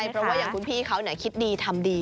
เพราะว่าอย่างคุณพี่เขาคิดดีทำดี